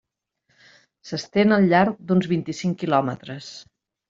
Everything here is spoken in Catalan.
S'estén al llarg d'uns vint-i-cinc quilòmetres.